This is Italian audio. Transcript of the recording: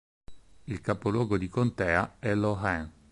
Il capoluogo di contea è Laurens.